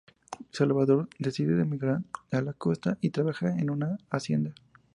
Salvador decide emigrar a la Costa y trabajar en una hacienda.